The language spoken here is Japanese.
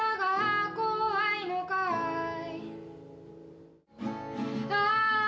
怖いのかい？